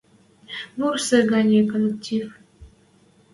Вурсы ганьы коллектив.